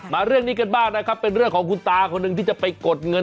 เรื่องนี้กันบ้างนะครับเป็นเรื่องของคุณตาคนหนึ่งที่จะไปกดเงิน